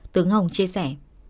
tướng hồng chia sẻ